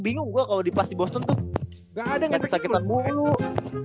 banget enggak ada project terbunuh